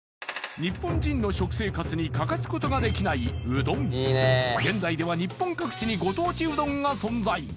日本人の食生活に欠かすことができない現在では日本各地にご当地うどんが存在